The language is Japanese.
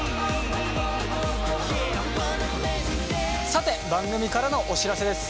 さて番組からのお知らせです。